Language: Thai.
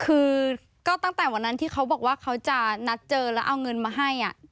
คือก็ตั้งแต่วันนั้นที่เขาบอกว่าเขาจะนัดเจอแล้วเอาเงินมาให้